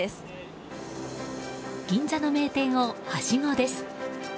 銀座の名店をはしごです。